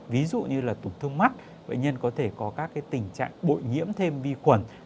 ví dụ như là tổn thương mắt bệnh nhân có thể có các tình trạng bội nhiễm thêm vi khuẩn